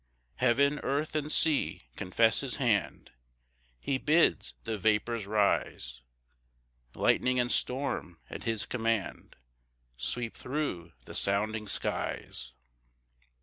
3 Heaven, earth, and sea, confess his hand; He bids the vapours rise; Lightning and storm at his command Sweep thro' the sounding skies.